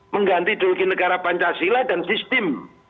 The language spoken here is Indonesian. mengganti dulu lagi negara pancasila dan sistem